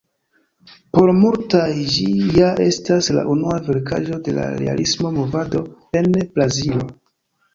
Por multaj ĝi ja estas la unua verkaĵo de la realismo movado en Brazilo.